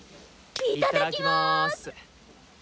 いただきます！